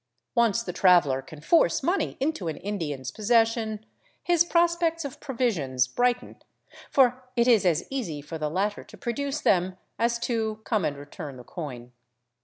Once the traveler can force money into an Indian's possession, his prospects of provisions brighten, for it is as easy for the latter to produce them as to come and return the coin.